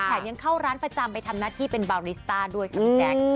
ยังเข้าร้านประจำไปทำหน้าที่เป็นบาวนิสต้าด้วยค่ะพี่แจ๊ค